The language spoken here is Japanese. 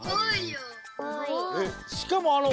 しかもあのほら。